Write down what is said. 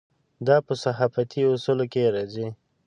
دا په صحافتي اصولو کې راځي.